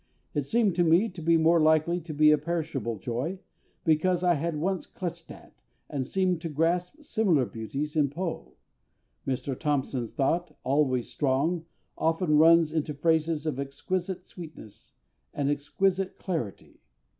It seemed to me to be more likely to be a perishable joy, because I had once clutched at, and seemed to grasp, similar beauties in POE. Mr THOMPSON'S thought, always strong, often runs into phrases of exquisite sweetness and exquisite clarity....